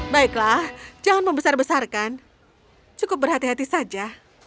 baiklah jangan membesar besarkan cukup berhati hati saja